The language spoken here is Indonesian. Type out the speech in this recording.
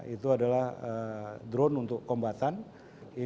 itu adalah drone untuk kombatan